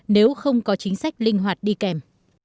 nếu không có chính sách linh hoạt đi kèm